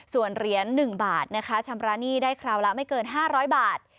ส่วนเหรียญ๑บาทนะคะชำระหนี้ได้คราวละไม่เกิน๕๐๐บาท